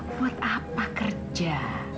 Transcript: buat apa kerja